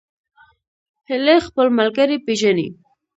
هیلۍ خپل ملګري پیژني